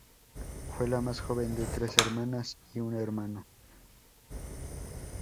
Fue la más joven de tres hermanas y un hermano.